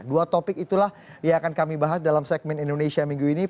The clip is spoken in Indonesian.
dua topik itulah yang akan kami bahas dalam segmen indonesia minggu ini